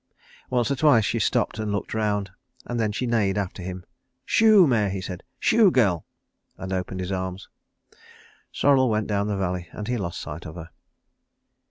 Once or twice she stopped and looked round, and then she neighed after him. "Shoo, mare!" he said. "Shoo, girl!" and opened his arms. Sorrel went down the valley and he lost sight of her.